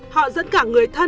họ dẫn cả người thân